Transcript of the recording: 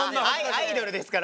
アイドルですから。